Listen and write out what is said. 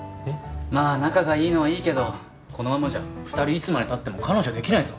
まあ仲がいいのはいいけどこのままじゃ二人いつまでたっても彼女できないぞ